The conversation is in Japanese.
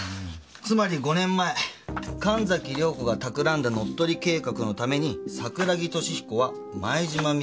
つまり５年前神崎涼子が企んだ乗っ取り計画のために桜木敏彦は前島美雪を殺害した。